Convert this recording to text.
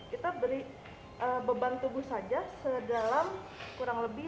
kita beri beban tubuh saja sedalam kurang lebih